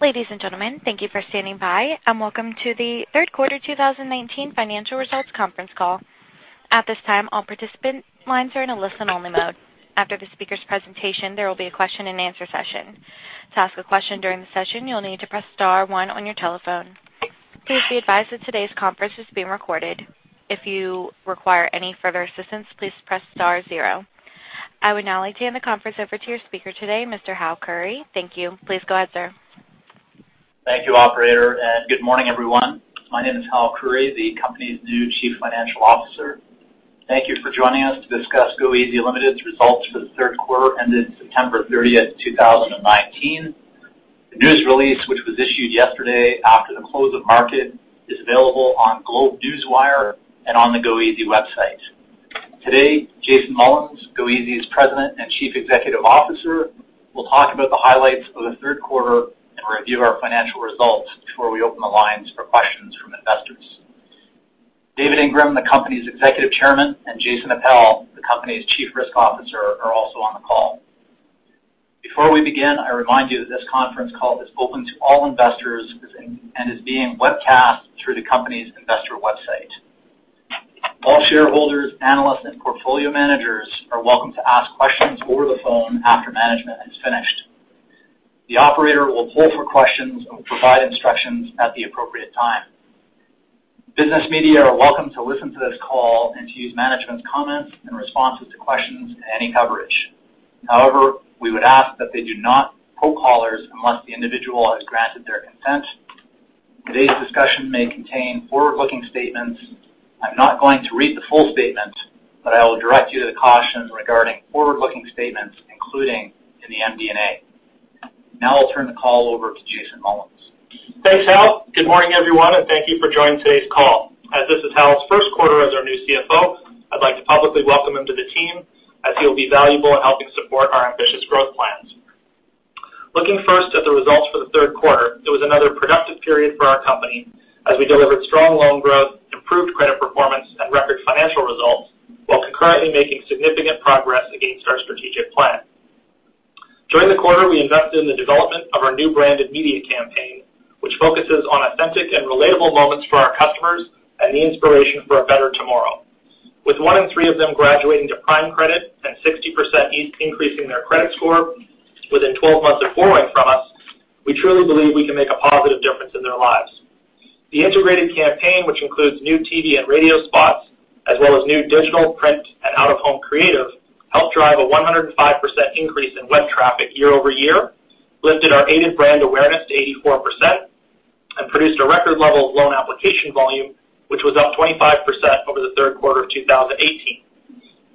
Ladies and gentlemen, thank you for standing by. Welcome to the third quarter 2019 financial results conference call. At this time, all participant lines are in a listen-only mode. After the speaker's presentation, there will be a question and answer session. To ask a question during the session, you'll need to press star one on your telephone. Please be advised that today's conference is being recorded. If you require any further assistance, please press star zero. I would now like to hand the conference over to your speaker today, Mr. Hal Khouri. Thank you. Please go ahead, sir. Thank you, operator, and good morning, everyone. My name is Hal Khouri, the company's new Chief Financial Officer. Thank you for joining us to discuss goeasy Ltd.'s results for the third quarter ended September 30th, 2019. The news release, which was issued yesterday after the close of market, is available on GlobeNewswire and on the goeasy website. Today, Jason Mullins, goeasy's President and Chief Executive Officer, will talk about the highlights of the third quarter and review our financial results before we open the lines for questions from investors. David Ingram, the company's Executive Chairman, and Jason Appel, the company's Chief Risk Officer, are also on the call. Before we begin, I remind you that this conference call is open to all investors and is being webcast through the company's investor website. All shareholders, analysts, and portfolio managers are welcome to ask questions over the phone after management has finished. The operator will poll for questions and will provide instructions at the appropriate time. Business media are welcome to listen to this call and to use management's comments and responses to questions in any coverage. However, we would ask that they do not poll callers unless the individual has granted their consent. Today's discussion may contain forward-looking statements. I'm not going to read the full statements, but I will direct you to the cautions regarding forward-looking statements, including in the MD&A. Now I'll turn the call over to Jason Mullins. Thanks, Hal. Good morning, everyone. Thank you for joining today's call. As this is Hal's first quarter as our new CFO, I'd like to publicly welcome him to the team, as he'll be valuable in helping support our ambitious growth plans. Looking first at the results for the third quarter, it was another productive period for our company as we delivered strong loan growth, improved credit performance, and record financial results, while concurrently making significant progress against our strategic plan. During the quarter, we invested in the development of our new brand and media campaign, which focuses on authentic and relatable moments for our customers and the inspiration for a better tomorrow. With one in three of them graduating to prime credit and 60% increasing their credit score within 12 months of borrowing from us, we truly believe we can make a positive difference in their lives. The integrated campaign, which includes new TV and radio spots, as well as new digital, print, and out-of-home creative, helped drive a 105% increase in web traffic year-over-year, lifted our aided brand awareness to 84%, and produced a record level of loan application volume, which was up 25% over the third quarter of 2018.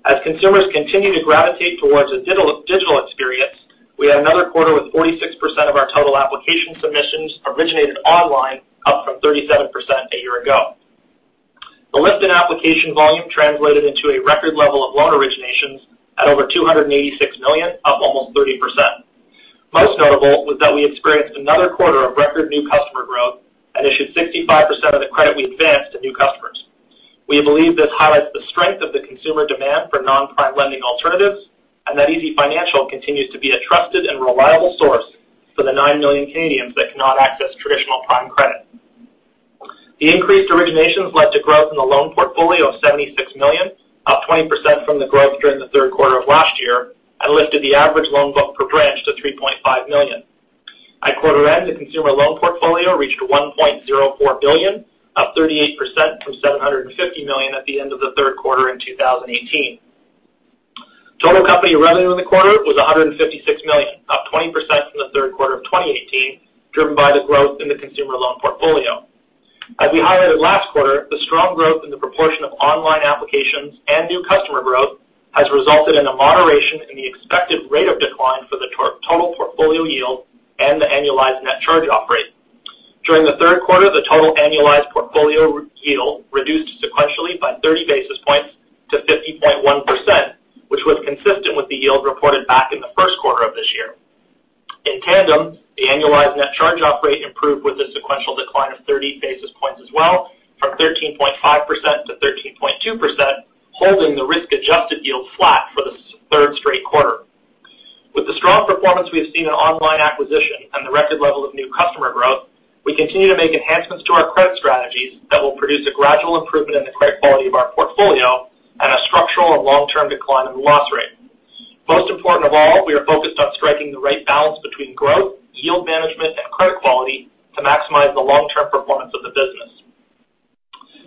As consumers continue to gravitate towards a digital experience, we had another quarter with 46% of our total application submissions originated online, up from 37% a year ago. The lift in application volume translated into a record level of loan originations at over 286 million, up almost 30%. Most notable was that we experienced another quarter of record new customer growth and issued 65% of the credit we advanced to new customers. We believe this highlights the strength of the consumer demand for non-prime lending alternatives, and that easyfinancial continues to be a trusted and reliable source for the 9 million Canadians that cannot access traditional prime credit. The increased originations led to growth in the loan portfolio of 76 million, up 20% from the growth during the third quarter of last year and lifted the average loan book per branch to 3.5 million. At quarter end, the consumer loan portfolio reached 1.04 billion, up 38% from 750 million at the end of the third quarter in 2018. Total company revenue in the quarter was 156 million, up 20% from the third quarter of 2018, driven by the growth in the consumer loan portfolio. As we highlighted last quarter, the strong growth in the proportion of online applications and new customer growth has resulted in a moderation in the expected rate of decline for the total portfolio yield and the annualized net charge-off rate. During the third quarter, the total annualized portfolio yield reduced sequentially by 30 basis points to 50.1%, which was consistent with the yield reported back in the first quarter of this year. In tandem, the annualized net charge-off rate improved with a sequential decline of 30 basis points as well, from 13.5% to 13.2%, holding the risk-adjusted yield flat for the third straight quarter. With the strong performance we have seen in online acquisition and the record level of new customer growth, we continue to make enhancements to our credit strategies that will produce a gradual improvement in the credit quality of our portfolio and a structural and long-term decline in the loss rate. Most important of all, we are focused on striking the right balance between growth, yield management, and credit quality to maximize the long-term performance of the business.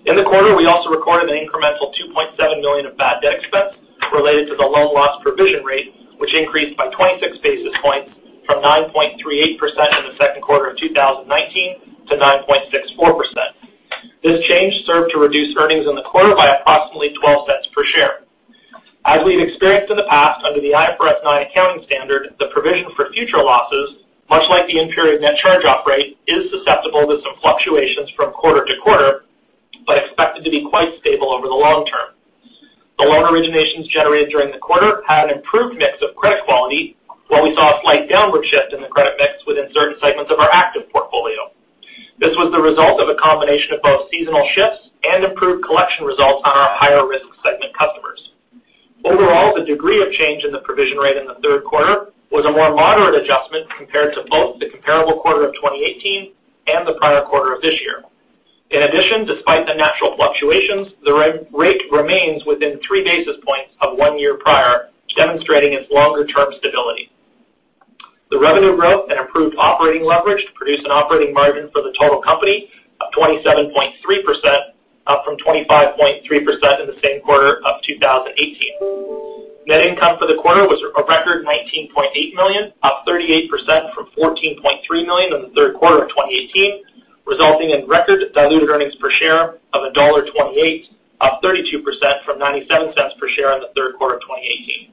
In the quarter, we also recorded an incremental 2.7 million of bad debt expense related to the loan loss provision rate, which increased by 26 basis points from 9.38% in the second quarter of 2019 to 9.64%. This change served to reduce earnings in the quarter by approximately 0.12 per share. As we've experienced in the past, under the IFRS 9 accounting standard, the provision for future losses, much like the in-period net charge-off rate, is susceptible to some fluctuations from quarter to quarter, but expected to be quite stable over the long term. The loan originations generated during the quarter had an improved mix of credit quality, while we saw a slight downward shift in the credit mix within certain segments of our active portfolio. This was the result of a combination of both seasonal shifts and improved collection results on our higher-risk segment customers. The degree of change in the provision rate in the third quarter was a more moderate adjustment compared to both the comparable quarter of 2018 and the prior quarter of this year. In addition, despite the natural fluctuations, the rate remains within three basis points of one year prior, demonstrating its longer-term stability. The revenue growth and improved operating leverage produced an operating margin for the total company of 27.3%, up from 25.3% in the same quarter of 2018. Net income for the quarter was a record 19.8 million, up 38% from 14.3 million in the third quarter of 2018, resulting in record diluted earnings per share of dollar 1.28, up 32% from 0.97 per share in the third quarter of 2018.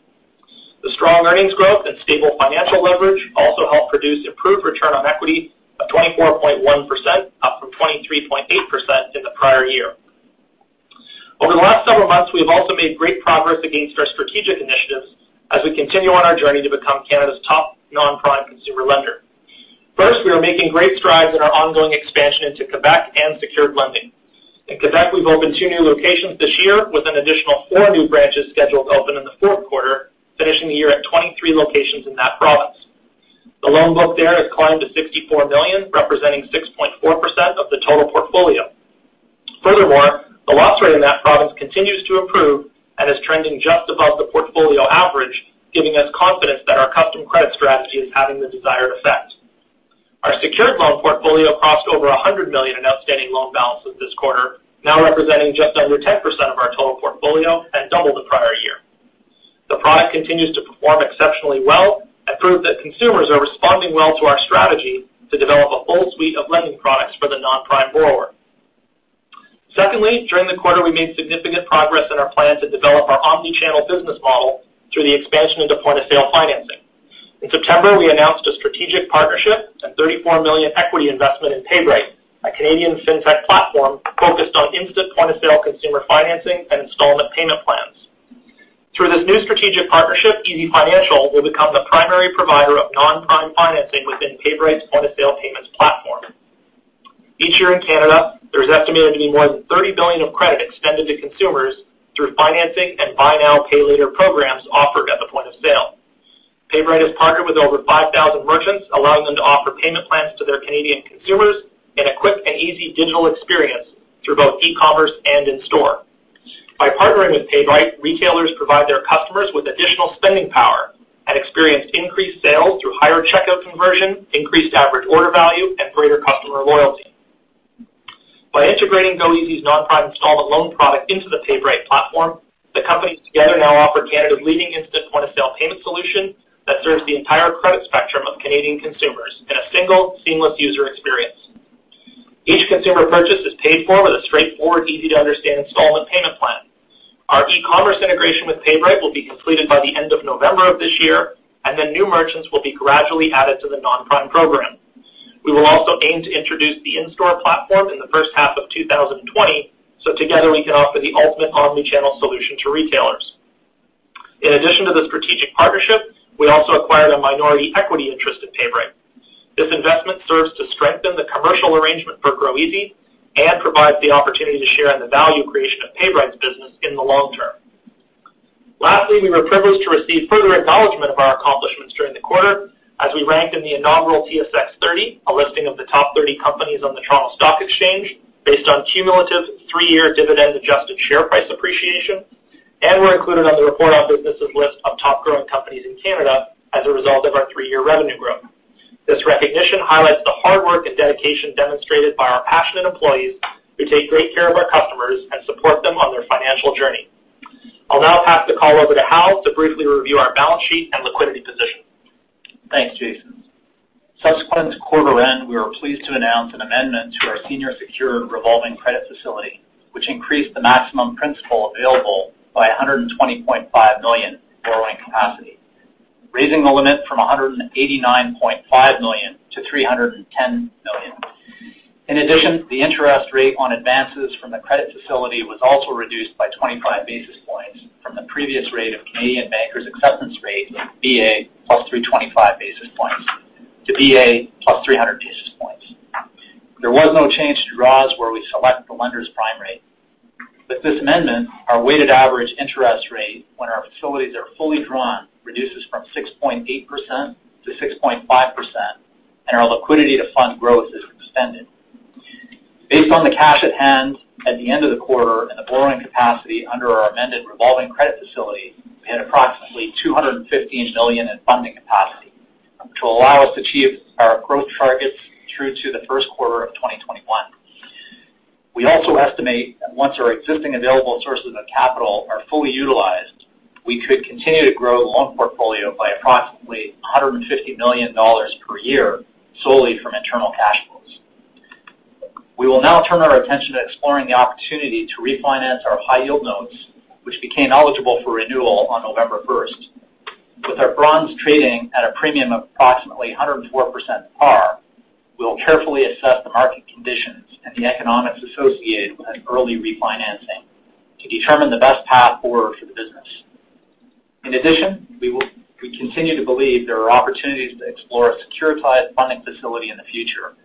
The strong earnings growth and stable financial leverage also helped produce improved return on equity of 24.1%, up from 23.8% in the prior year. Over the last several months, we've also made great progress against our strategic initiatives as we continue on our journey to become Canada's top non-prime consumer lender. First, we are making great strides in our ongoing expansion into Quebec and secured lending. In Quebec, we've opened two new locations this year with an additional four new branches scheduled to open in the fourth quarter, finishing the year at 23 locations in that province. The loan book there has climbed to 64 million, representing 6.4% of the total portfolio. Furthermore, the loss rate in that province continues to improve and is trending just above the portfolio average, giving us confidence that our custom credit strategy is having the desired effect. Our secured loan portfolio crossed over 100 million in outstanding loan balances this quarter, now representing just under 10% of our total portfolio and double the prior year. The product continues to perform exceptionally well and prove that consumers are responding well to our strategy to develop a full suite of lending products for the non-prime borrower. Secondly, during the quarter, we made significant progress in our plan to develop our omni-channel business model through the expansion into point-of-sale financing. In September, we announced a strategic partnership and 34 million equity investment in PayBright, a Canadian fintech platform focused on instant point-of-sale consumer financing and installment payment plans. Through this new strategic partnership, easyfinancial will become the primary provider of non-prime financing within PayBright's point-of-sale payments platform. Each year in Canada, there's estimated to be more than 30 billion of credit extended to consumers through financing and buy now, pay later programs offered at the point of sale. PayBright has partnered with over 5,000 merchants, allowing them to offer payment plans to their Canadian consumers in a quick and easy digital experience through both e-commerce and in-store. By partnering with PayBright, retailers provide their customers with additional spending power and experience increased sales through higher checkout conversion, increased average order value, and greater customer loyalty. By integrating goeasy's non-prime installment loan product into the PayBright platform, the companies together now offer Canada's leading instant point-of-sale payment solution that serves the entire credit spectrum of Canadian consumers in a single seamless user experience. Each consumer purchase is paid for with a straightforward, easy-to-understand installment payment plan. Our e-commerce integration with PayBright will be completed by the end of November of this year, and then new merchants will be gradually added to the non-prime program. We will also aim to introduce the in-store platform in the first half of 2020, so together we can offer the ultimate omni-channel solution to retailers. In addition to this strategic partnership, we also acquired a minority equity interest in PayBright. This investment serves to strengthen the commercial arrangement for goeasy and provides the opportunity to share in the value creation of PayBright's business in the long term. Lastly, we were privileged to receive further acknowledgment of our accomplishments during the quarter as we ranked in the inaugural TSX 30, a listing of the top 30 companies on the Toronto Stock Exchange based on cumulative three-year dividend-adjusted share price appreciation, and were included on the Report on Business list of top growing companies in Canada as a result of our three-year revenue growth. This recognition highlights the hard work and dedication demonstrated by our passionate employees who take great care of our customers and support them on their financial journey. I'll now pass the call over to Hal to briefly review our balance sheet and liquidity position. Thanks, Jason. Subsequent to quarter end, we were pleased to announce an amendment to our senior secured revolving credit facility, which increased the maximum principal available by 120.5 million in borrowing capacity, raising the limit from 189.5 million to 310 million. In addition, the interest rate on advances from the credit facility was also reduced by 25 basis points from the previous rate of Canadian Bankers' Acceptance rate, BA, plus 325 basis points to BA plus 300 basis points. There was no change to draws where we select the lender's prime rate. With this amendment, our weighted average interest rate when our facilities are fully drawn reduces from 6.8% to 6.5%, and our liquidity to fund growth is extended. Based on the cash at hand at the end of the quarter and the borrowing capacity under our amended revolving credit facility, we had approximately 215 million in funding capacity, which will allow us to achieve our growth targets through to the first quarter of 2021. We also estimate that once our existing available sources of capital are fully utilized, we could continue to grow the loan portfolio by approximately 150 million dollars per year solely from internal cash flows. We will now turn our attention to exploring the opportunity to refinance our high-yield notes, which became eligible for renewal on November 1st. With our bonds trading at a premium of approximately 104% par, we'll carefully assess the market conditions and the economics associated with an early refinancing to determine the best path forward for the business. We continue to believe there are opportunities to explore a securitized funding facility in the future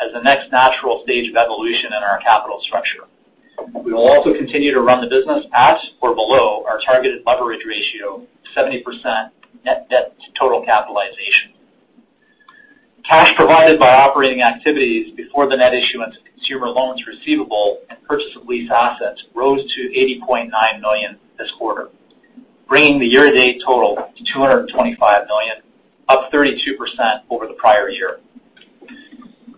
as the next natural stage of evolution in our capital structure. We will also continue to run the business at or below our targeted leverage ratio, 70% net debt to total capitalization. Cash provided by operating activities before the net issuance of consumer loans receivable and purchase of lease assets rose to 80.9 million this quarter, bringing the year-to-date total to 225 million, up 32% over the prior year.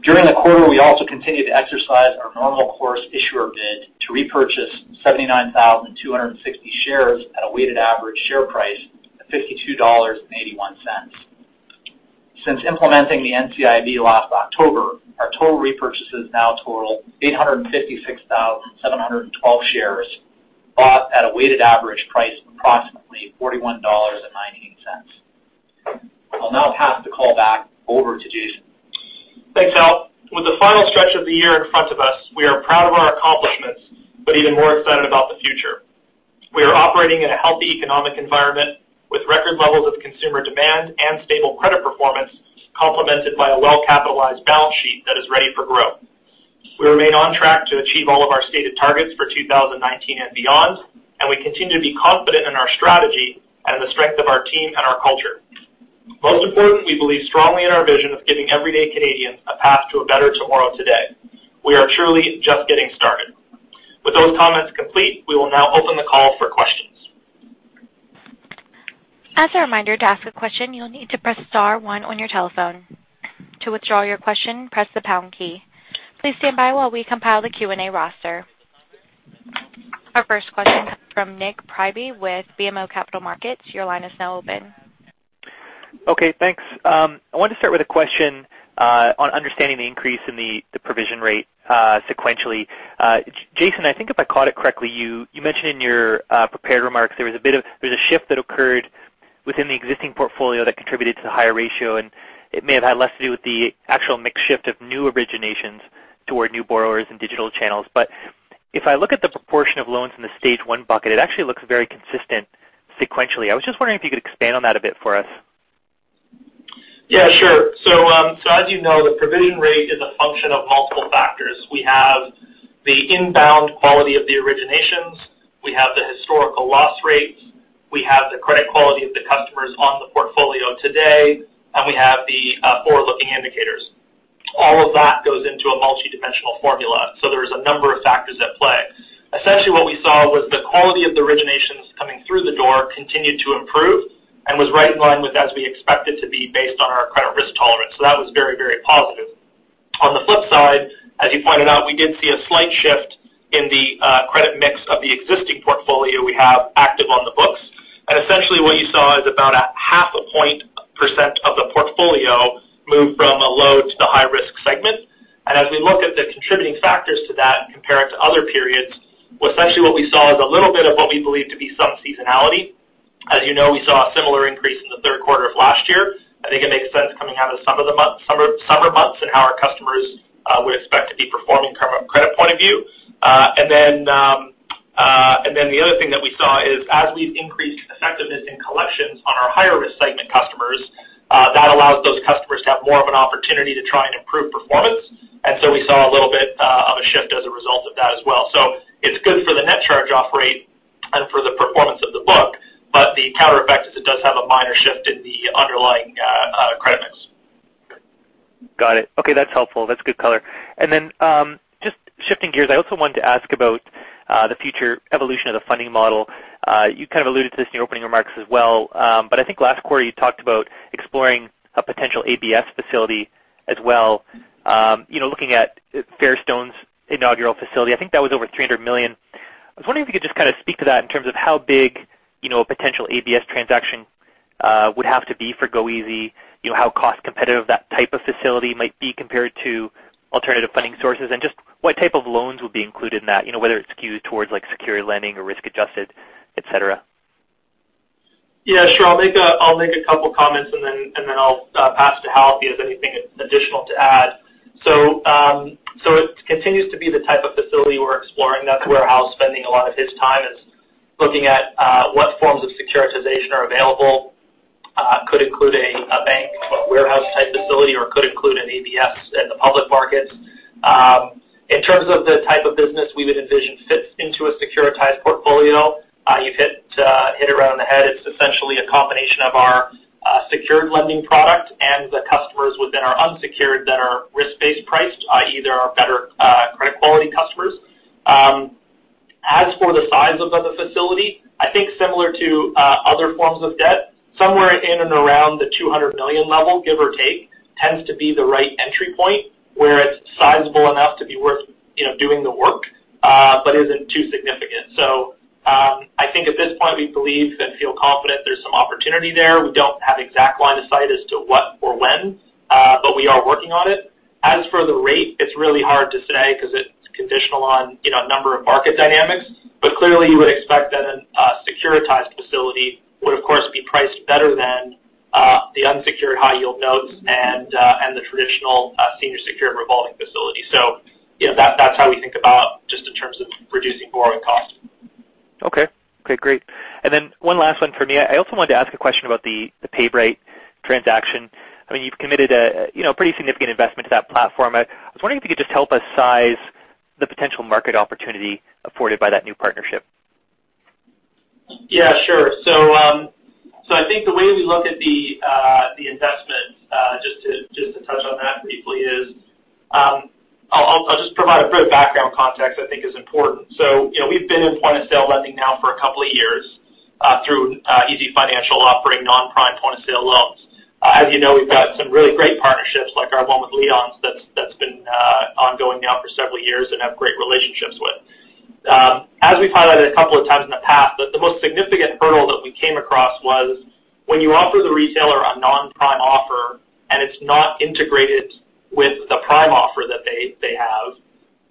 During the quarter, we also continued to exercise our normal course issuer bid to repurchase 79,260 shares at a weighted average share price of 52.81. Since implementing the NCIB last October, our total repurchases now total 856,712 shares, bought at a weighted average price of approximately 41.98 dollars. I'll now pass the call back over to Jason. Thanks, Hal. With the final stretch of the year in front of us, we are proud of our accomplishments, but even more excited about the future. We are operating in a healthy economic environment, with record levels of consumer demand and stable credit performance, complemented by a well-capitalized balance sheet that is ready for growth. We remain on track to achieve all of our stated targets for 2019 and beyond, and we continue to be confident in our strategy and the strength of our team and our culture. Most important, we believe strongly in our vision of giving everyday Canadians a path to a better tomorrow today. We are truly just getting started. With those comments complete, we will now open the call for questions. As a reminder, to ask a question, you'll need to press star one on your telephone. To withdraw your question, press the pound key. Please stand by while we compile the Q&A roster. Our first question comes from Nik Priebe with BMO Capital Markets. Your line is now open. Okay, thanks. I wanted to start with a question on understanding the increase in the provision rate sequentially. Jason, I think if I caught it correctly, you mentioned in your prepared remarks there was a shift that occurred within the existing portfolio that contributed to the higher ratio, and it may have had less to do with the actual mix shift of new originations toward new borrowers and digital channels. If I look at the proportion of loans in the stage 1 bucket, it actually looks very consistent sequentially. I was just wondering if you could expand on that a bit for us. Yeah, sure. As you know, the provision rate is a function of multiple factors. We have the inbound quality of the originations, we have the historical loss rates, we have the credit quality of the customers on the portfolio today, and we have the forward-looking indicators. All of that goes into a multidimensional formula. There is a number of factors at play. Essentially what we saw was the quality of the originations coming through the door continued to improve and was right in line with as we expect it to be based on our credit risk tolerance. That was very positive. On the flip side, as you pointed out, we did see a slight shift in the credit mix of the existing portfolio we have active on the books. Essentially what you saw is about a 0.5% of the portfolio move from a low- to high-risk segment. As we look at the contributing factors to that and compare it to other periods, well, essentially what we saw is a little bit of what we believe to be some seasonality. As you know, we saw a similar increase in the third quarter of last year. I think it makes sense coming out of summer months and how our customers we'd expect to be performing from a credit point of view. The other thing that we saw is as we've increased effectiveness in collections on our higher-risk segment customers, that allows those customers to have more of an opportunity to try and improve performance. We saw a little bit of a shift as a result of that as well. It's good for the net charge-off rate and for the performance of the book, but the counter effect is it does have a minor shift in the underlying credit mix. Got it. Okay, that's helpful. That's good color. Just shifting gears, I also wanted to ask about the future evolution of the funding model. You kind of alluded to this in your opening remarks as well. I think last quarter, you talked about exploring a potential ABS facility as well. Looking at Fairstone's inaugural facility, I think that was over 300 million. I was wondering if you could just kind of speak to that in terms of how big a potential ABS transaction would have to be for goeasy, how cost competitive that type of facility might be compared to alternative funding sources, and just what type of loans would be included in that, whether it's skewed towards secured lending or risk-adjusted, et cetera. Yeah, sure. I'll make a couple of comments, then I'll pass to Hal if he has anything additional to add. It continues to be the type of facility we're exploring. That's where Hal's spending a lot of his time is looking at what forms of securitization are available. Could include a bank, a warehouse-type facility, or could include an ABS in the public markets. In terms of the type of business we would envision fits into a securitized portfolio, you've hit it right on the head. It's essentially a combination of our secured lending product and the customers within our unsecured that are risk-based priced, i.e., they're our better credit quality customers. As for the size of the facility, I think similar to other forms of debt, somewhere in and around the 200 million level, give or take, tends to be the right entry point, where it's sizable enough to be worth doing the work but isn't too significant. I think at this point, we believe and feel confident there's some opportunity there. We don't have exact line of sight as to what or when but we are working on it. As for the rate, it's really hard to say because it's conditional on a number of market dynamics. Clearly, you would expect that a securitized facility would, of course, be priced better than the unsecured high-yield notes and the traditional senior secured revolving facility. That's how we think about reducing borrowing costs. Okay. Great. One last one for me. I also wanted to ask a question about the PayBright transaction. You've committed a pretty significant investment to that platform. I was wondering if you could just help us size the potential market opportunity afforded by that new partnership. Yeah, sure. I think the way we look at the investment, just to touch on that briefly, I'll just provide a bit of background context I think is important. We've been in point of sale lending now for a couple of years, through easyfinancial offering non-prime point of sale loans. As you know, we've got some really great partnerships like our one with Leon's that's been ongoing now for several years and have great relationships with. As we've highlighted a couple of times in the past, that the most significant hurdle that we came across was when you offer the retailer a non-prime offer and it's not integrated with the prime offer that they have,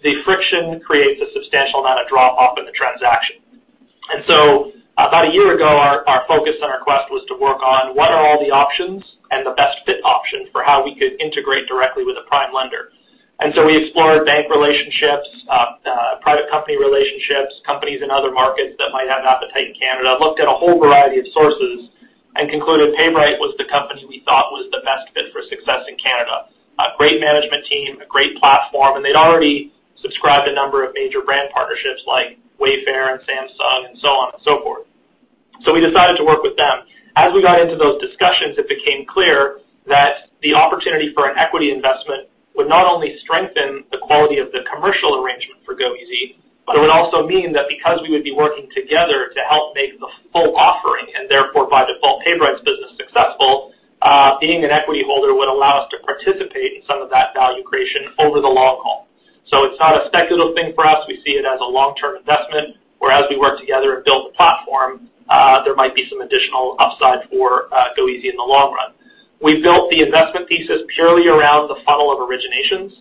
the friction creates a substantial amount of drop-off in the transaction. About a year ago, our focus and our quest was to work on what are all the options and the best fit option for how we could integrate directly with a prime lender. We explored bank relationships, private company relationships, companies in other markets that might have an appetite in Canada, looked at a whole variety of sources and concluded PayBright was the company we thought was the best fit for success in Canada. A great management team, a great platform, and they'd already subscribed a number of major brand partnerships like Wayfair and Samsung and so on and so forth. We decided to work with them. As we got into those discussions, it became clear that the opportunity for an equity investment would not only strengthen the quality of the commercial arrangement for goeasy, but it would also mean that because we would be working together to help make the full offering, and therefore by default, PayBright's business successful, being an equity holder would allow us to participate in some of that value creation over the long haul. It's not a speculative thing for us. We see it as a long-term investment. Whereas we work together and build the platform, there might be some additional upside for goeasy in the long run. We built the investment thesis purely around the funnel of originations.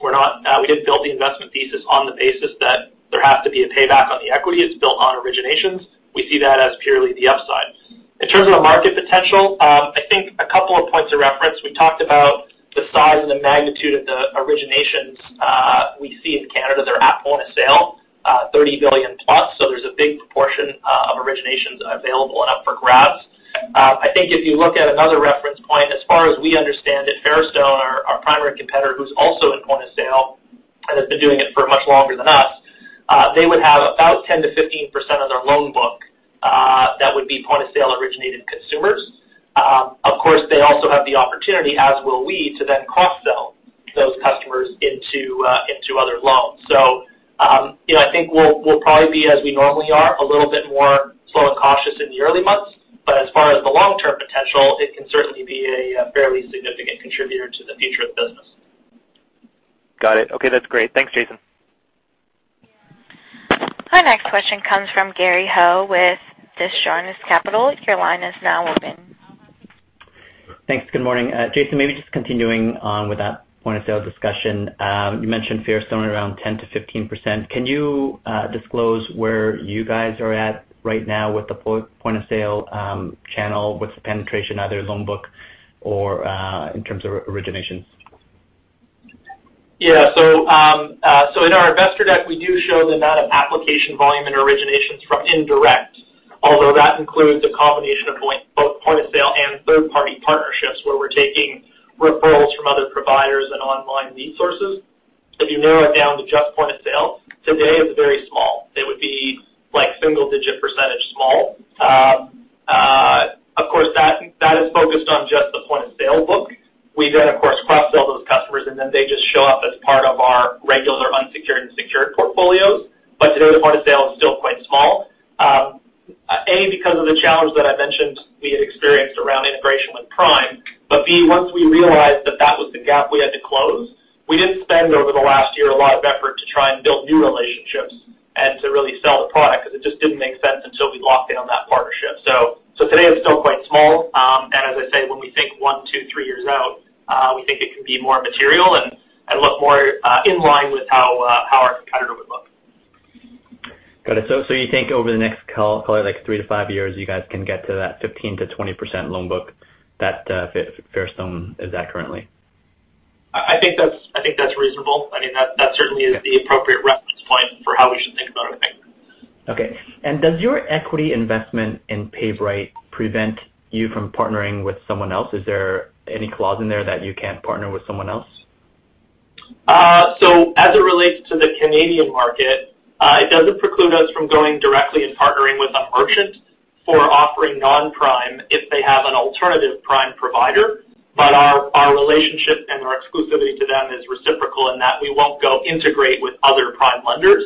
We didn't build the investment thesis on the basis that there has to be a payback on the equity. It's built on originations. We see that as purely the upside. In terms of the market potential, I think a couple of points of reference. We talked about the size and the magnitude of the originations we see in Canada that are at point of sale, 30 billion plus. There's a big proportion of originations available and up for grabs. I think if you look at another reference point, as far as we understand it, Fairstone, our primary competitor, who's also in point of sale and has been doing it for much longer than us, they would have about 10%-15% of their loan book that would be point of sale originated consumers. Of course, they also have the opportunity, as will we, to then cross-sell those customers into other loans. I think we'll probably be as we normally are, a little bit more slow and cautious in the early months, but as far as the long-term potential, it can certainly be a fairly significant contributor to the future of the business. Got it. Okay. That's great. Thanks, Jason. Our next question comes from Gary Ho with Desjardins Capital. Your line is now open. Thanks. Good morning. Jason, maybe just continuing on with that point of sale discussion. You mentioned Fairstone around 10%-15%. Can you disclose where you guys are at right now with the point of sale channel? What's the penetration, either loan book or in terms of originations? Yeah. In our investor deck, we do show the amount of application volume and originations from indirect, although that includes a combination of both point of sale and third-party partnerships, where we're taking referrals from other providers and online lead sources. If you narrow it down to just point of sale, today it's very small. It would be like single-digit % small. Of course, that is focused on just the point of sale book. We then, of course, cross-sell those customers, and then they just show up as part of our regular unsecured and secured portfolios. Today, the point of sale is still quite small because of the challenge that I mentioned we had experienced around integration with Prime. Once we realized that that was the gap we had to close, we didn't spend over the last year a lot of effort to try and build new relationships and to really sell the product because it just didn't make sense until we locked in on that partnership. Today it's still quite small. As I say, when we think one, two, three years out, we think it can be more material and look more in line with how our competitor would look. Got it. You think over the next call it like three to five years, you guys can get to that 15%-20% loan book that Fairstone is at currently? I think that's reasonable. That certainly is the appropriate reference point for how we should think about it, I think. Okay. Does your equity investment in PayBright prevent you from partnering with someone else? Is there any clause in there that you can't partner with someone else? As it relates to the Canadian market, it doesn't preclude us from going directly and partnering with a merchant for offering non-prime if they have an alternative prime provider. Our relationship and our exclusivity to them is reciprocal in that we won't go integrate with other prime lenders.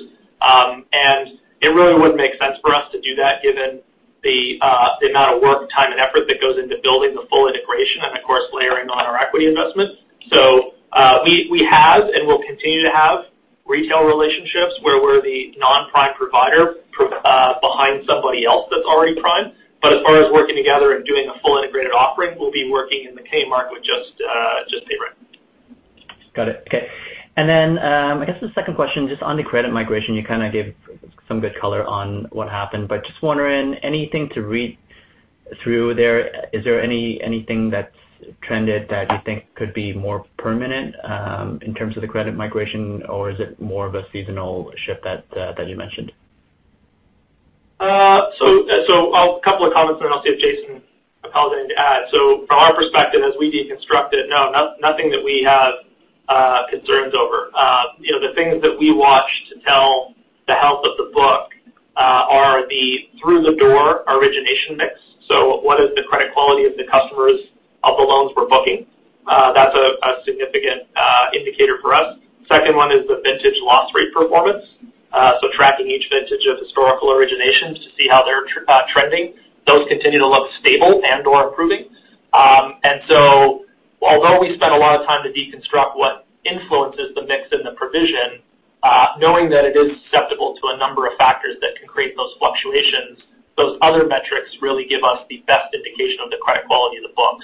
It really wouldn't make sense for us to do that given the amount of work, time, and effort that goes into building the full integration and of course, layering on our equity investment. We have and will continue to have retail relationships where we're the non-prime provider behind somebody else that's already prime. As far as working together and doing a full integrated offering, we'll be working in the Canadian market with just PayBright. Got it. Okay. I guess the second question, just on the credit migration, you kind of gave some good color on what happened, but just wondering anything to read through there, is there anything that's trended that you think could be more permanent in terms of the credit migration, or is it more of a seasonal shift that you mentioned? A couple of comments there, and I'll see if Jason Appel can add. From our perspective, as we deconstruct it, no, nothing that we have concerns over. The things that we watch to tell the health of the book are the through the door origination mix. What is the credit quality of the customers of the loans we're booking? That's a significant indicator for us. Second one is the vintage loss rate performance. Tracking each vintage of historical originations to see how they're trending. Those continue to look stable and/or improving. Although we spent a lot of time to deconstruct what influences the mix and the provision, knowing that it is susceptible to a number of factors that can create those fluctuations, those other metrics really give us the best indication of the credit quality of the book.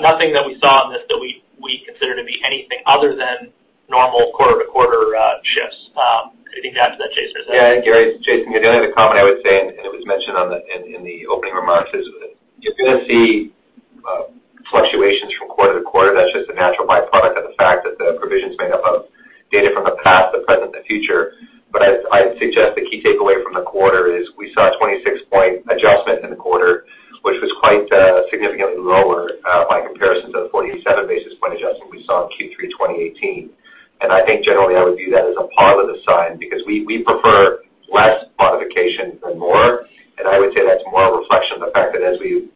Nothing that we saw in this that we consider to be anything other than normal quarter-to-quarter shifts. Anything to add to that, Jason? Jason, the only other comment I would say, and it was mentioned in the opening remarks, is you're going to see fluctuations from quarter to quarter. That's just a natural byproduct of the fact that the provision's made up of data from the past, the present, the future. I'd suggest the key takeaway from the quarter is we saw a 26-point adjustment in the quarter, which was quite significantly lower by comparison to the 47 basis point adjustment we saw in Q3 2018. I think generally I would view that as a positive sign because we prefer less modification than more. I would say that's more a reflection of the fact that as we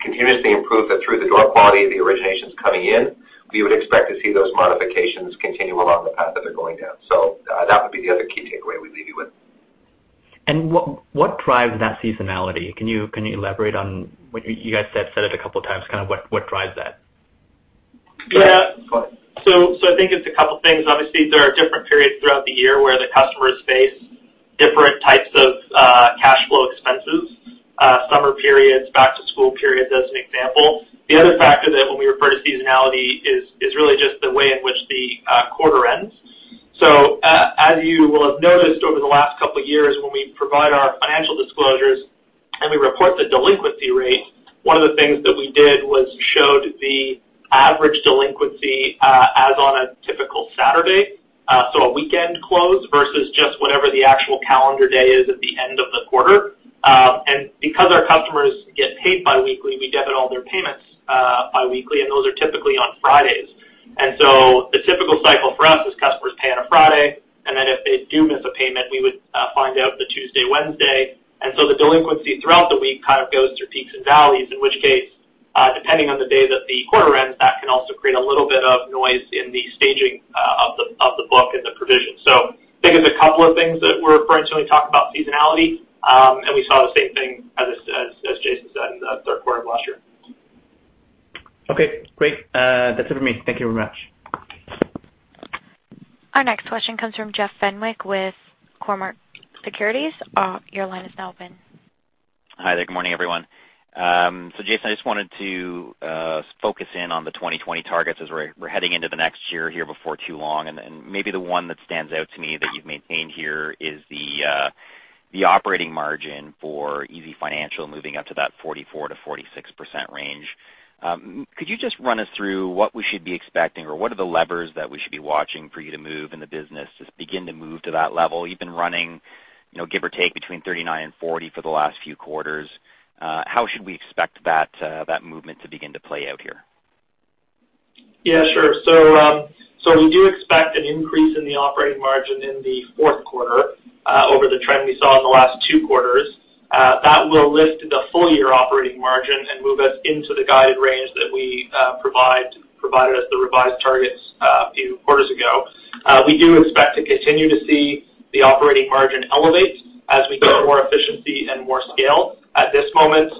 continuously improve the through-the-door quality of the originations coming in, we would expect to see those modifications continue along the path that they're going down. That would be the other key takeaway we leave you with. What drives that seasonality? Can you elaborate on what you guys said it a couple of times, kind of what drives that? Yeah. I think it's a couple things. Obviously, there are different periods throughout the year where the customers face different types of cash flow expenses. Summer periods, back to school periods, as an example. The other factor that when we refer to seasonality is really just the way in which the quarter ends. As you will have noticed over the last couple of years, when we provide our financial disclosures and we report the delinquency rate, one of the things that we did was showed the average delinquency as on a typical Saturday. A weekend close versus just whatever the actual calendar day is at the end of the quarter. Because our customers get paid biweekly, we debit all their payments biweekly, and those are typically on Fridays. The typical cycle for us is customers pay on a Friday, and then if they do miss a payment, we would find out the Tuesday, Wednesday. The delinquency throughout the week kind of goes through peaks and valleys, in which case, depending on the day that the quarter ends, that can also create a little bit of noise in the staging of the book and the provision. I think it's a couple of things that we're referring to when we talk about seasonality. We saw the same thing, as Jason said, in the third quarter of last year. Okay, great. That's it for me. Thank you very much. Our next question comes from Jeff Fenwick with Cormark Securities. Your line is now open. Hi there. Good morning, everyone. Jason, I just wanted to focus in on the 2020 targets as we're heading into the next year here before too long, and maybe the one that stands out to me that you've maintained here is the operating margin for easyfinancial moving up to that 44%-46% range. Could you just run us through what we should be expecting or what are the levers that we should be watching for you to move in the business to begin to move to that level? You've been running give or take between 39% and 40% for the last few quarters. How should we expect that movement to begin to play out here? Yeah, sure. We do expect an increase in the operating margin in the fourth quarter over the trend we saw in the last two quarters. That will lift the full-year operating margin and move us into the guided range that we provided as the revised targets a few quarters ago. We do expect to continue to see the operating margin elevate as we get more efficiency and more scale. At this moment,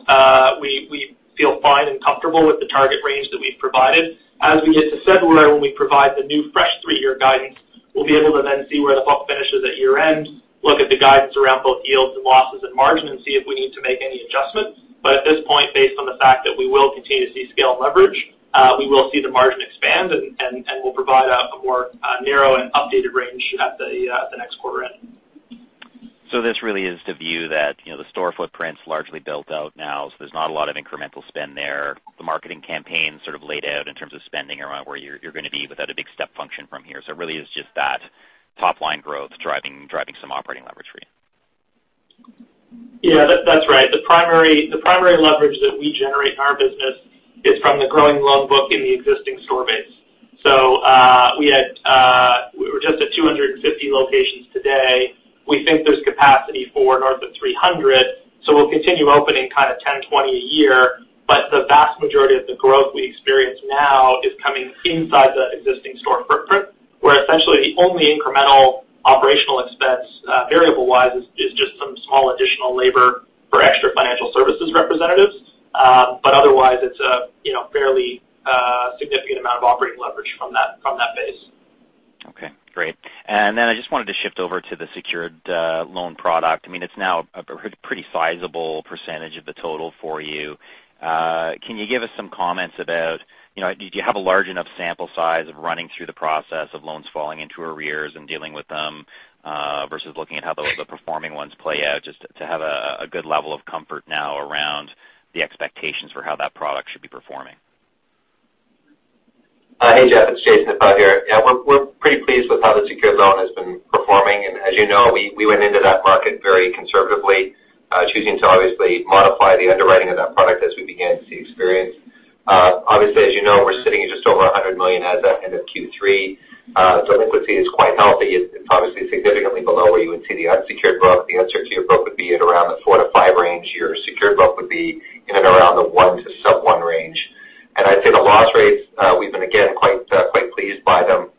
we feel fine and comfortable with the target range that we've provided. As we get to February when we provide the new fresh three-year guidance, we'll be able to then see where the book finishes at year-end, look at the guidance around both yields and losses and margin and see if we need to make any adjustments. At this point, based on the fact that we will continue to see scale and leverage, we will see the margin expand, and we'll provide a more narrow and updated range at the next quarter end. This really is the view that the store footprint's largely built out now, so there's not a lot of incremental spend there. The marketing campaign sort of laid out in terms of spending around where you're going to be without a big step function from here. It really is just that top-line growth driving some operating leverage for you. Yeah, that's right. The primary leverage that we generate in our business is from the growing loan book in the existing store base. We're just at 250 locations today. We think there's capacity for north of 300, we'll continue opening kind of 10, 20 a year. The vast majority of the growth we experience now is coming inside the existing store footprint, where essentially the only incremental operational expense variable-wise is just some small additional labor for extra financial services representatives. Otherwise, it's a fairly significant amount of operating leverage from that base. Okay, great. I just wanted to shift over to the secured loan product. It's now a pretty sizable percentage of the total for you. Can you give us some comments about, do you have a large enough sample size of running through the process of loans falling into arrears and dealing with them versus looking at how the performing ones play out just to have a good level of comfort now around the expectations for how that product should be performing? Hi, Jeff. It's Jason Appel here. Yeah, we're pretty pleased with how the secure loan has been performing. As you know, we went into that market very conservatively, choosing to obviously modify the underwriting of that product as we began to experience. Obviously, as you know, we're sitting at just over 100 million as at end of Q3. Liquidity is quite healthy. It's obviously significantly below where you would see the unsecured book. The unsecured book would be at around the 4-5 range. Your secured book would be in and around the 1 to sub 1 range. I'd say the loss rates, we've been again, quite pleased by them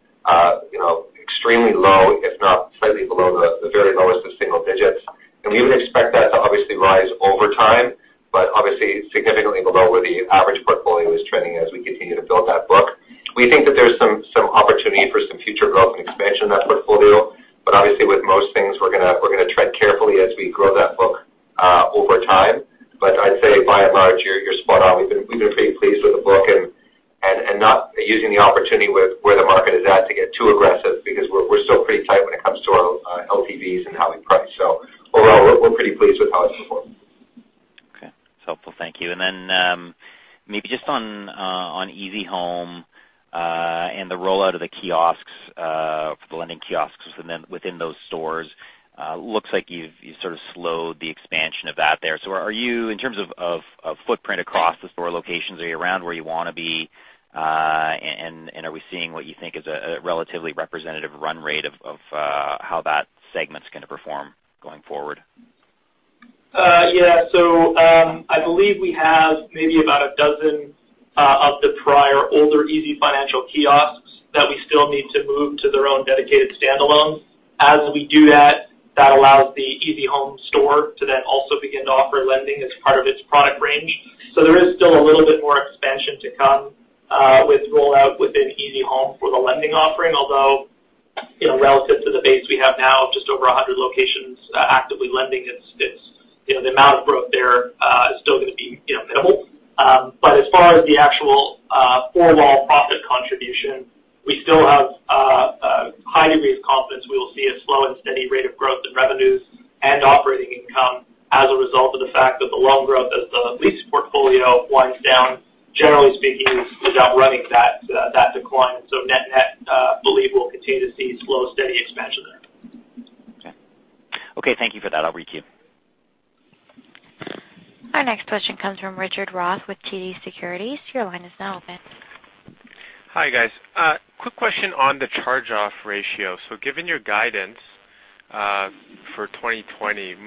extremely low, if not slightly below the very lowest of single digits. We would expect that to obviously rise over time, but obviously significantly below where the average portfolio is trending as we continue to build that book. We think that there's some opportunity for some future growth and expansion of that portfolio. Obviously with most things, we're going to tread carefully as we grow that book over time. I'd say by and large, you're spot on. We've been pretty pleased with the book and not using the opportunity with where the market is at to get too aggressive because we're still pretty tight when it comes to our LTVs and how we price. Overall, we're pretty pleased with how it's performing. Okay. It's helpful. Thank you. Maybe just on easyhome, and the rollout of the kiosks, the lending kiosks within those stores. Looks like you've sort of slowed the expansion of that there. Are you, in terms of footprint across the store locations, are you around where you want to be? Are we seeing what you think is a relatively representative run rate of how that segment's going to perform going forward? Yeah. I believe we have maybe about 12 of the prior older easyfinancial kiosks that we still need to move to their own dedicated standalones. As we do that allows the easyhome store to then also begin to offer lending as part of its product range. There is still a little bit more expansion to come with rollout within easyhome for the lending offering. Although, relative to the base we have now of just over 100 locations actively lending, the amount of growth there is still going to be minimal. As far as the actual overall profit contribution, we still have a high degree of confidence we will see a slow and steady rate of growth in revenues and operating income as a result of the fact that the loan growth as the lease portfolio winds down, generally speaking, without running that decline. Net-net, believe we'll continue to see slow, steady expansion there. Okay. Thank you for that. I'll re-queue. Our next question comes from Graham Ryding with TD Securities. Your line is now open. Hi, guys. Quick question on the charge-off ratio. Given your guidance for 2020, is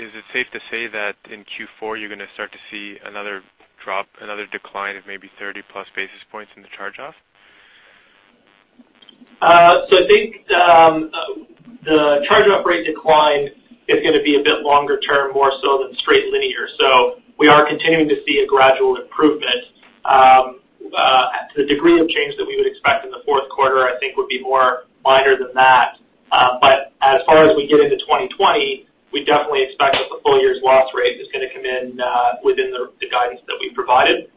it safe to say that in Q4, you're going to start to see another drop, another decline of maybe 30-plus basis points in the charge-off? I think the charge-off rate decline is going to be a bit longer term, more so than straight linear. We are continuing to see a gradual improvement. The degree of change that we would expect in the fourth quarter, I think would be more minor than that. As far as we get into 2020, we definitely expect that the full year's loss rate is going to come in within the guidance that we've provided.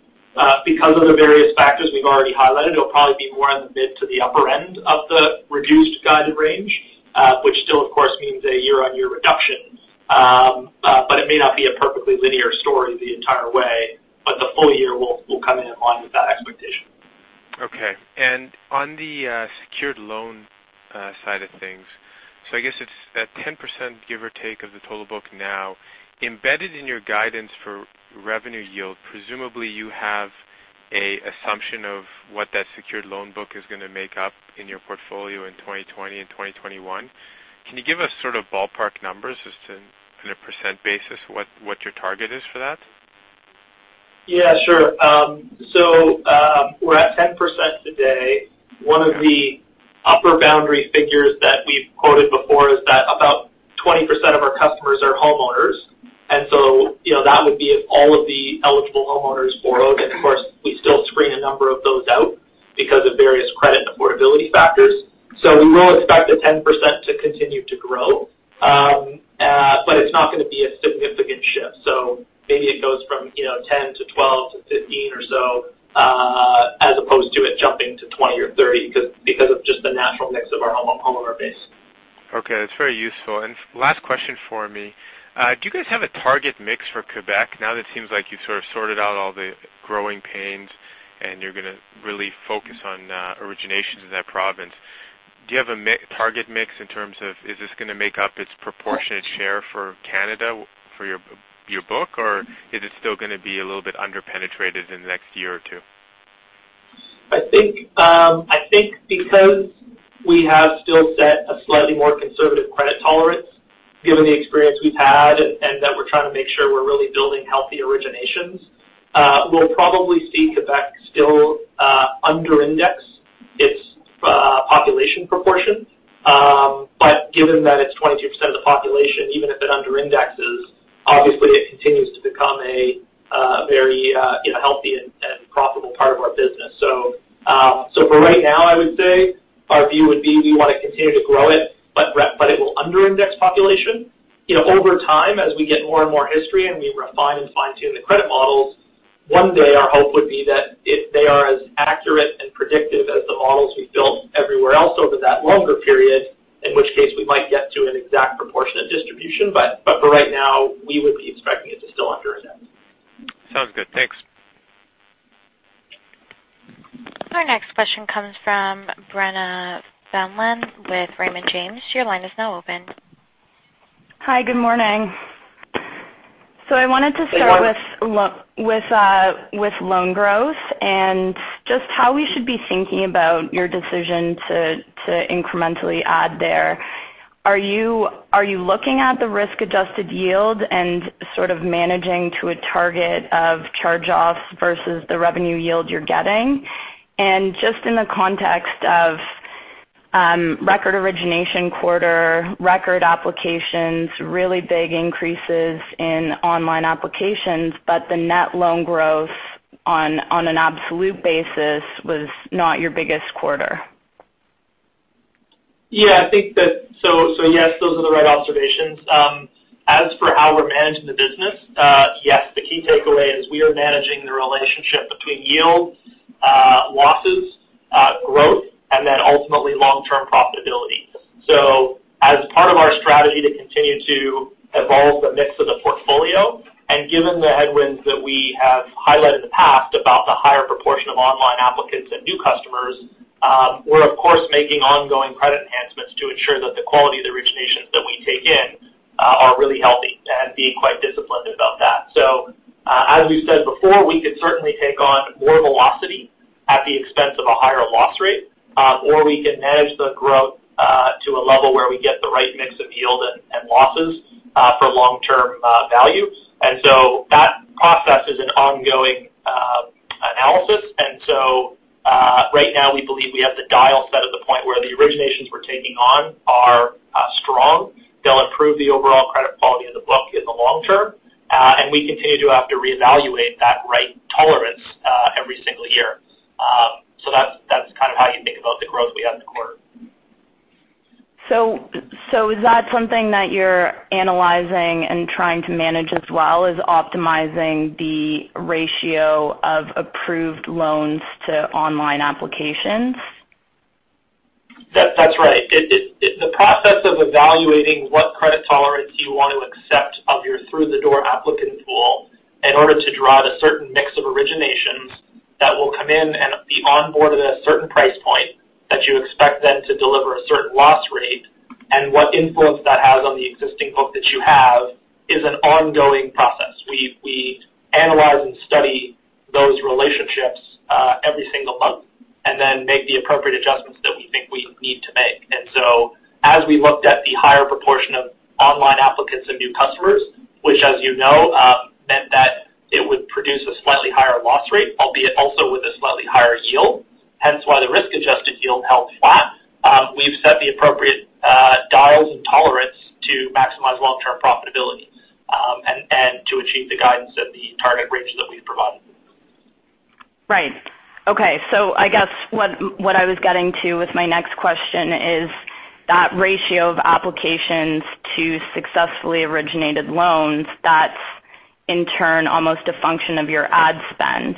Because of the various factors we've already highlighted, it'll probably be more on the mid to the upper end of the reduced guided range. Which still, of course, means a year-on-year reduction. It may not be a perfectly linear story the entire way, but the full year will come in line with that expectation. Okay. On the secured loan side of things, so I guess it's at 10%, give or take, of the total book now. Embedded in your guidance for revenue yield, presumably you have a assumption of what that secured loan book is going to make up in your portfolio in 2020 and 2021. Can you give us sort of ballpark numbers just on a % basis what your target is for that? Yeah, sure. We're at 10% today. One of the upper boundary figures that we've quoted before is that about 20% of our customers are homeowners. That would be if all of the eligible homeowners borrowed. Of course, we still screen a number of those out because of various credit affordability factors. We will expect the 10% to continue to grow. It's not going to be a significant shift. Maybe it goes from 10% to 12% to 15% or so, as opposed to it jumping to 20% or 30% because of just the natural mix of our homeowner base. Okay. That's very useful. Last question for me. Do you guys have a target mix for Quebec now that it seems like you've sort of sorted out all the growing pains and you're going to really focus on originations in that province? Do you have a target mix in terms of, is this going to make up its proportionate share for Canada for your book, or is it still going to be a little bit under-penetrated in the next year or two? I think because we have still set a slightly more conservative credit tolerance, given the experience we've had and that we're trying to make sure we're really building healthy originations, we'll probably see Quebec still under-index its population proportion. Given that it's 22% of the population, even if it under-indexes, obviously it continues to become a very healthy and profitable part of our business. For right now, I would say our view would be we want to continue to grow it, but it will under-index population. Over time, as we get more and more history and we refine and fine-tune the credit models, one day our hope would be that if they are as accurate and predictive as the models we've built everywhere else over that longer period, in which case, we might get to an exact proportionate distribution. For right now, we would be expecting- Still on through, yeah. Sounds good. Thanks. Our next question comes from Brenna Phelan with Raymond James. Your line is now open. Hi, good morning. Good morning. start with loan growth and just how we should be thinking about your decision to incrementally add there. Are you looking at the risk-adjusted yield and sort of managing to a target of charge-offs versus the revenue yield you're getting? Just in the context of record origination quarter, record applications, really big increases in online applications, but the net loan growth on an absolute basis was not your biggest quarter. I think that yes, those are the right observations. As for how we're managing the business, yes, the key takeaway is we are managing the relationship between yield, losses, growth, and then ultimately long-term profitability. As part of our strategy to continue to evolve the mix of the portfolio, and given the headwinds that we have highlighted in the past about the higher proportion of online applicants and new customers, we're of course making ongoing credit enhancements to ensure that the quality of the originations that we take in are really healthy and being quite disciplined about that. As we've said before, we could certainly take on more velocity at the expense of a higher loss rate, or we can manage the growth to a level where we get the right mix of yield and losses for long-term value. That process is an ongoing analysis. Right now we believe we have the dial set at the point where the originations we're taking on are strong. They'll improve the overall credit quality of the book in the long term, and we continue to have to reevaluate that right tolerance every single year. That's kind of how you think about the growth we had in the quarter. Is that something that you're analyzing and trying to manage as well, is optimizing the ratio of approved loans to online applications? That's right. The process of evaluating what credit tolerance you want to accept of your through-the-door applicant pool in order to draw out a certain mix of originations that will come in and be onboarded at a certain price point that you expect then to deliver a certain loss rate, and what influence that has on the existing book that you have is an ongoing process. We analyze and study those relationships every single month then make the appropriate adjustments that we think we need to make. As we looked at the higher proportion of online applicants and new customers, which as you know, meant that it would produce a slightly higher loss rate, albeit also with a slightly higher yield, hence why the risk-adjusted yield held flat. We've set the appropriate dials and tolerance to maximize long-term profitability, and to achieve the guidance of the target range that we've provided. Right. Okay. I guess what I was getting to with my next question is that ratio of applications to successfully originated loans, that's in turn almost a function of your ad spend.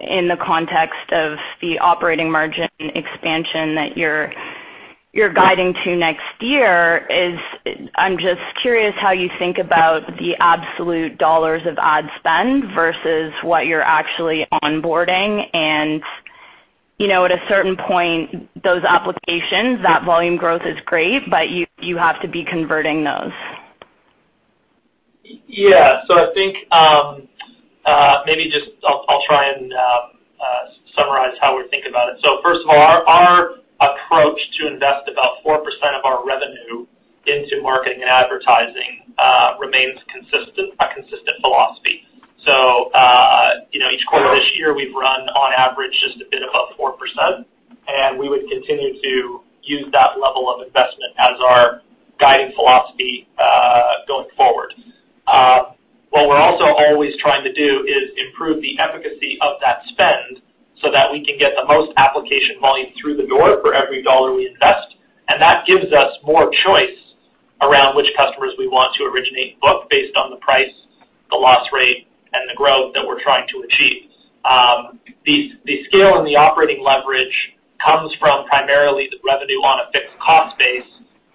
In the context of the operating margin expansion that you're guiding to next year is I'm just curious how you think about the absolute dollars of ad spend versus what you're actually onboarding and at a certain point, those applications, that volume growth is great, but you have to be converting those. Yeah. I think, maybe just, I'll try and summarize how we think about it. First of all, our approach to invest about 4% of our revenue into marketing and advertising, remains a consistent philosophy. Each quarter this year, we've run on average just a bit above 4%, and we would continue to use that level of investment as our guiding philosophy, going forward. What we're also always trying to do is improve the efficacy of that spend so that we can get the most application volume through the door for every dollar we invest. That gives us more choice around which customers we want to originate and book based on the price, the loss rate, and the growth that we're trying to achieve. The scale and the operating leverage comes from primarily the revenue on a fixed cost base,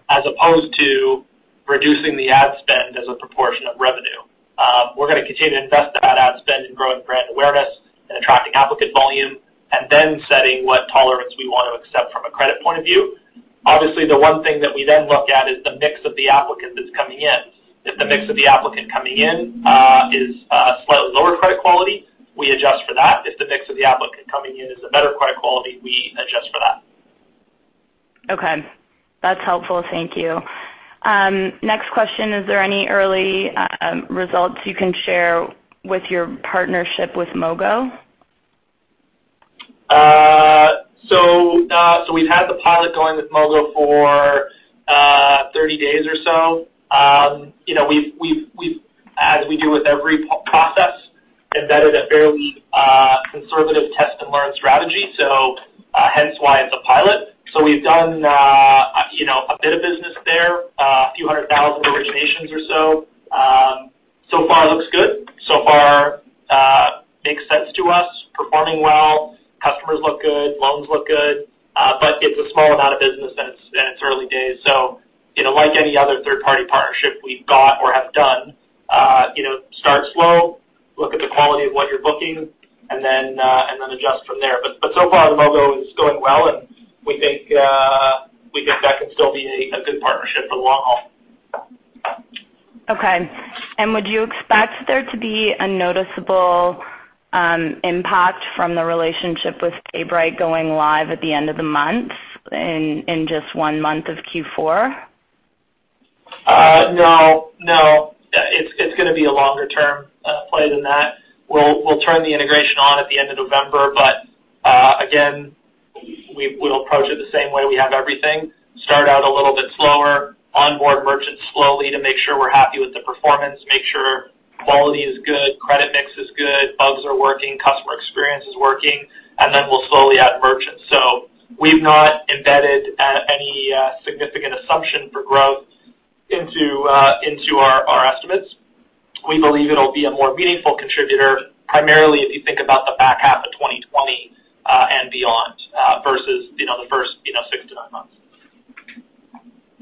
as opposed to reducing the ad spend as a proportion of revenue. We're going to continue to invest that ad spend in growing brand awareness and attracting applicant volume, and then setting what tolerance we want to accept from a credit point of view. Obviously, the one thing that we then look at is the mix of the applicant that's coming in. If the mix of the applicant coming in is a slightly lower credit quality, we adjust for that. If the mix of the applicant coming in is a better credit quality, we adjust for that. Okay. That's helpful. Thank you. Next question. Is there any early results you can share with your partnership with Mogo? We've had the pilot going with Mogo for 30 days or so. As we do with every process, we've embedded a fairly conservative test-and-learn strategy. Hence why it's a pilot. We've done a bit of business there, a few hundred thousand originations or so. Far looks good. Far performing well. Customers look good, loans look good. It's a small amount of business and it's early days. Like any other third-party partnership we've got or have done, start slow, look at the quality of what you're booking, and then adjust from there. So far, Mogo is going well, and we think that can still be a good partnership for the long haul. Okay. Would you expect there to be a noticeable impact from the relationship with PayBright going live at the end of the month in just one month of Q4? No. It's going to be a longer-term play than that. We'll turn the integration on at the end of November, again, we'll approach it the same way we have everything. Start out a little bit slower, onboard merchants slowly to make sure we're happy with the performance, make sure quality is good, credit mix is good, bugs are working, customer experience is working, then we'll slowly add merchants. We've not embedded any significant assumption for growth into our estimates. We believe it'll be a more meaningful contributor, primarily if you think about the back half of 2020 and beyond versus the first six to nine months.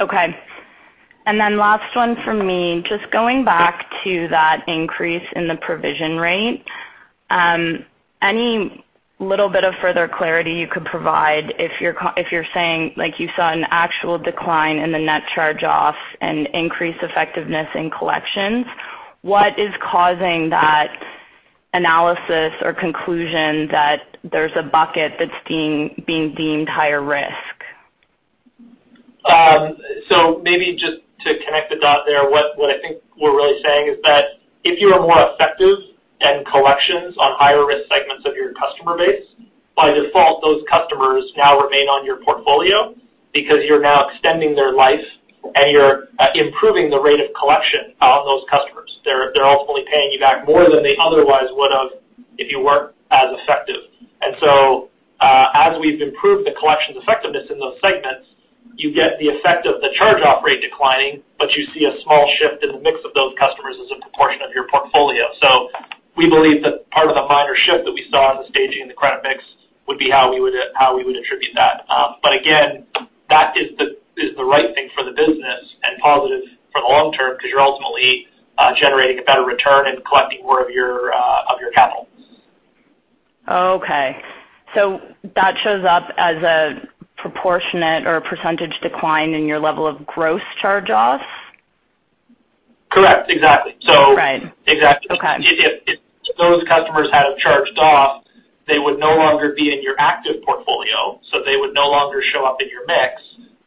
Okay. Last one from me. Just going back to that increase in the provision rate. Any little bit of further clarity you could provide if you're saying you saw an actual decline in the net charge-offs and increased effectiveness in collections? What is causing that analysis or conclusion that there's a bucket that's being deemed higher risk? Maybe just to connect the dot there, what I think we're really saying is that if you are more effective in collections on higher-risk segments of your customer base, by default, those customers now remain on your portfolio because you're now extending their life and you're improving the rate of collection on those customers. They're ultimately paying you back more than they otherwise would have if you weren't as effective. As we've improved the collection effectiveness in those segments, you get the effect of the charge-off rate declining, but you see a small shift in the mix of those customers as a proportion of your portfolio. We believe that part of the minor shift that we saw in the staging and the credit mix would be how we would attribute that. Again, that is the right thing for the business and positive for the long term because you're ultimately generating a better return and collecting more of your capital. Okay. That shows up as a proportionate or % decline in your level of gross charge-offs? Correct. Exactly. Right. Exactly. Okay. If those customers had charged off, they would no longer be in your active portfolio, so they would no longer show up in your mix,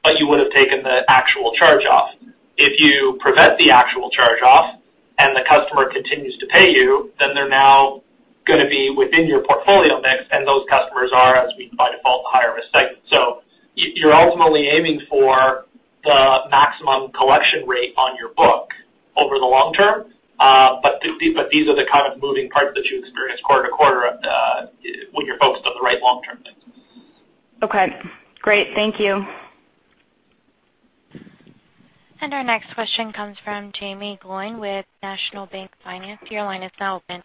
but you would've taken the actual charge off. If you prevent the actual charge off and the customer continues to pay you, then they're now going to be within your portfolio mix, and those customers are, as we by default, the higher risk segment. You're ultimately aiming for the maximum collection rate on your book over the long term. These are the kind of moving parts that you experience quarter to quarter when you're focused on the right long-term things. Okay. Great. Thank you. Our next question comes from Jaeme Gloyn with National Bank Financial. Your line is now open.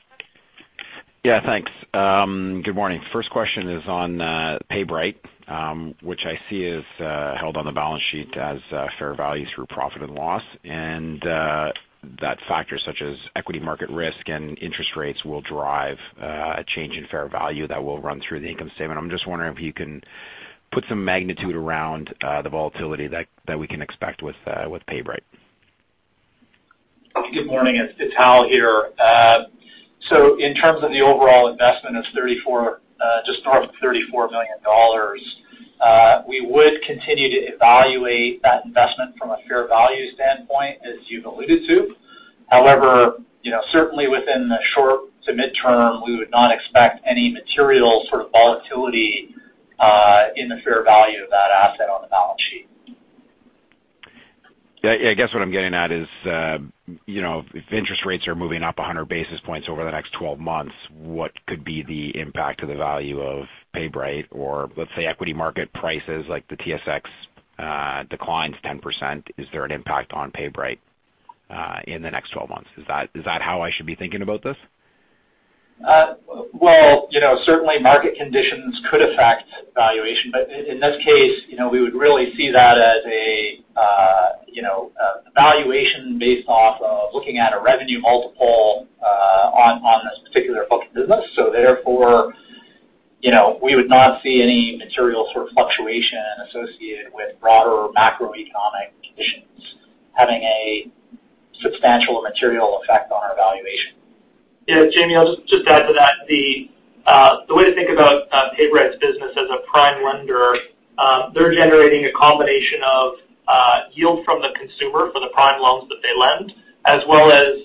Yeah, thanks. Good morning. First question is on PayBright, which I see is held on the balance sheet as fair value through profit and loss. That factors such as equity market risk and interest rates will drive a change in fair value that will run through the income statement. I'm just wondering if you can put some magnitude around the volatility that we can expect with PayBright. Good morning. It's Hal here. In terms of the overall investment of just north of 34 million dollars, we would continue to evaluate that investment from a fair value standpoint, as you've alluded to. However, certainly within the short to midterm, we would not expect any material sort of volatility in the fair value of that asset on the balance sheet. Yeah. I guess what I'm getting at is if interest rates are moving up 100 basis points over the next 12 months, what could be the impact to the value of PayBright? Let's say equity market prices like the TSX declines 10%, is there an impact on PayBright in the next 12 months? Is that how I should be thinking about this? Certainly market conditions could affect valuation. In this case, we would really see that as a valuation based off of looking at a revenue multiple on this particular book of business. Therefore, we would not see any material sort of fluctuation associated with broader macroeconomic conditions having a substantial or material effect on our valuation. Yeah, Jaeme, I'll just add to that. The way to think about PayBright's business as a prime lender, they're generating a combination of yield from the consumer for the prime loans that they lend, as well as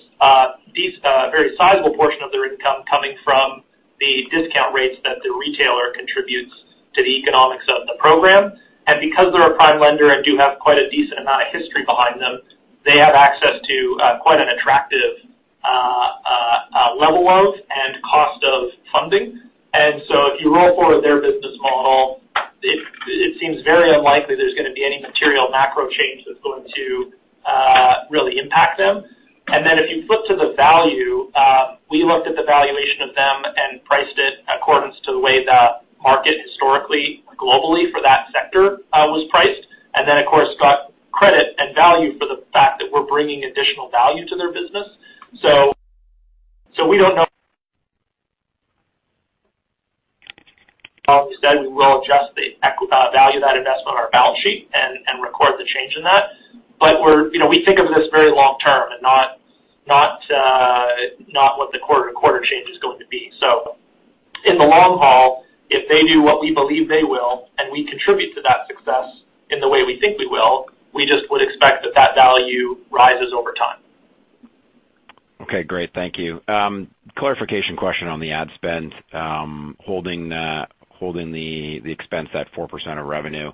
these very sizable portion of their income coming from the discount rates that the retailer contributes to the economics of the program. Because they're a prime lender and do have quite a decent amount of history behind them, they have access to quite an attractive level of and cost of funding. So if you roll forward their business model, it seems very unlikely there's going to be any material macro change. really impact them. If you flip to the value, we looked at the valuation of them and priced it accordance to the way the market historically, globally for that sector, was priced. Of course, got credit and value for the fact that we're bringing additional value to their business. We don't know. Obviously, we will adjust the value of that investment on our balance sheet and record the change in that. We think of this very long-term and not what the quarter-to-quarter change is going to be. In the long haul, if they do what we believe they will, and we contribute to that success in the way we think we will, we just would expect that that value rises over time. Okay, great. Thank you. Clarification question on the ad spend. Holding the expense at 4% of revenue,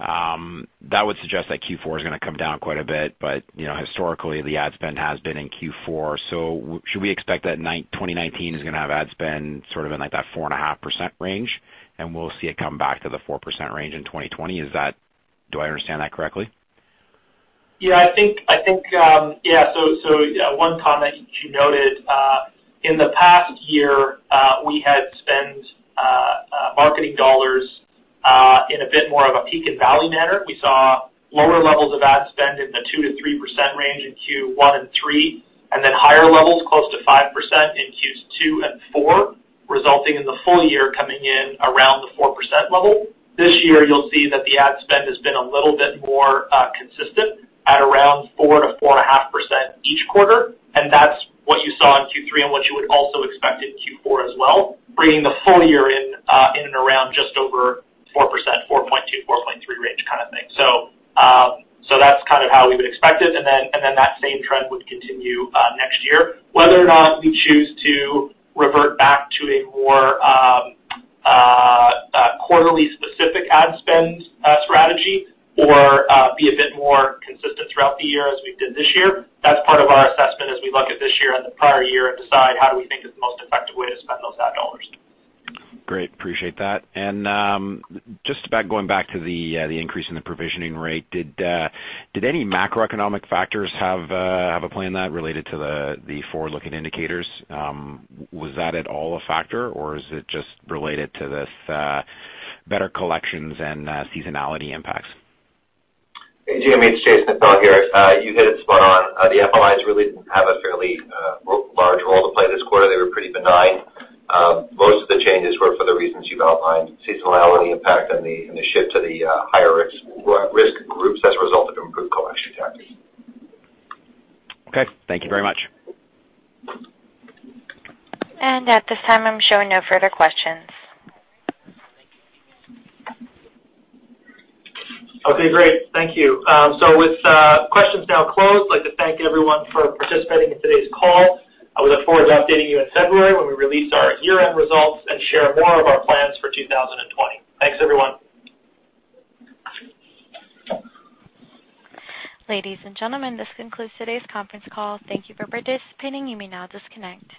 that would suggest that Q4 is going to come down quite a bit. Historically, the ad spend has been in Q4. Should we expect that 2019 is going to have ad spend sort of in that 4.5% range? We'll see it come back to the 4% range in 2020. Do I understand that correctly? One comment you noted. In the past year, we had spent marketing dollars in a bit more of a peak and valley manner. We saw lower levels of ad spend in the 2%-3% range in Q1 and three, and then higher levels close to 5% in Qs two and four, resulting in the full year coming in around the 4% level. This year, you'll see that the ad spend has been a little bit more consistent at around 4%-4.5% each quarter, and that's what you saw in Q3 and what you would also expect in Q4 as well, bringing the full year in and around just over 4%, 4.2, 4.3 range kind of thing. That's kind of how we would expect it, and then that same trend would continue next year. Whether or not we choose to revert back to a more quarterly specific ad spend strategy or be a bit more consistent throughout the year as we did this year, that's part of our assessment as we look at this year and the prior year and decide how we think is the most effective way to spend those ad dollars. Great. Appreciate that. Just about going back to the increase in the provisioning rate. Did any macroeconomic factors have a play in that related to the forward-looking indicators? Was that at all a factor, or is it just related to this better collections and seasonality impacts? Hey, Jaeme, it's Jason Appel here. You hit it spot on. The MLIs really didn't have a fairly large role to play this quarter. They were pretty benign. Most of the changes were for the reasons you've outlined, seasonality impact and the shift to the higher risk groups as a result of improved collection tactics. Okay. Thank you very much. At this time, I'm showing no further questions. Okay, great. Thank you. With questions now closed, I'd like to thank everyone for participating in today's call. I look forward to updating you in February when we release our year-end results and share more of our plans for 2020. Thanks, everyone. Ladies and gentlemen, this concludes today's conference call. Thank you for participating. You may now disconnect.